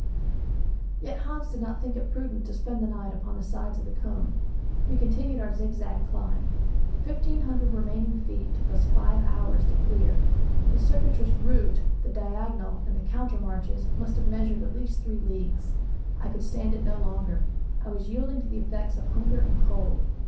Yet Hans did not think it prudent to spend the night upon the sides of the cone. We continued our zigzag climb. The fifteen hundred remaining feet took us five hours to clear; the circuitous route, the diagonal and the counter marches, must have measured at least three leagues. I could stand it no longer. I was yielding to the effects of hunger and cold.